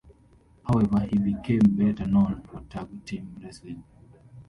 However, he became better known for tag team wrestling.